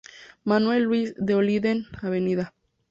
Manuel Luis de Oliden, Av.